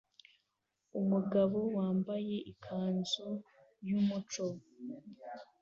Umugabo wambaye ikanzu yumuco